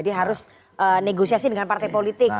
terus negosiasi dengan partai politik